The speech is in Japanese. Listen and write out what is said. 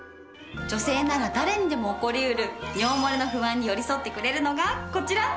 女性なら誰にでも起こりうる尿モレの不安に寄り添ってくれるのがこちら！